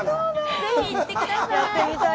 ぜひ行ってください。